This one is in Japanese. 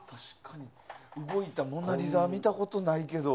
動いたモナリザは見たことないけど。